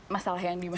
masalah yang dimana